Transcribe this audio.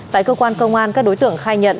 tại cơ quan công an các đối tượng khai nhận